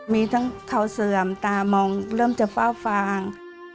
มีทั้งเขาเสื่อมตามองเริ่มจะเฝ้าฟาง